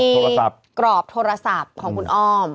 มีกรอบโทรศัพท์ของคุณอ้อม